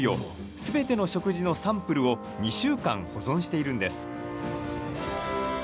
すべての食事のサンプルを２週間、保存しているんです。